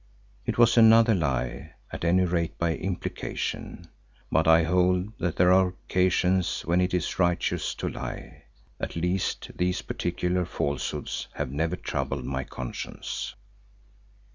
It was another lie, at any rate by implication, but I hold that there are occasions when it is righteous to lie. At least these particular falsehoods have never troubled my conscience.